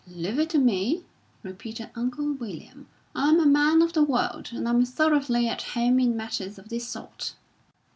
"Leave it to me," repeated Uncle William. "I'm a man of the world, and I'm thoroughly at home in matters of this sort."